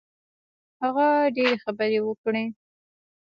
هغه ډېرې خبرې وکړې.